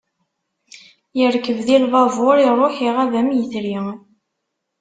Yerkeb di lbabur, iruḥ, iɣab am yetri.